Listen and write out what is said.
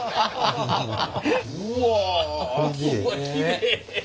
うわきれい！